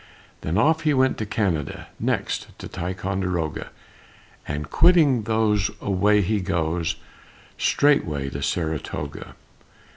Then off he went to Canada, Next to Ticonderoga, And quitting those away he goes Straightway to Saratoga.